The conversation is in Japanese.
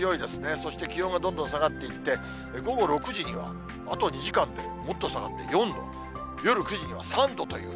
そして気温がどんどん下がっていって、午後６時には、あと２時間でもっと下がって、４度、夜９時には３度という。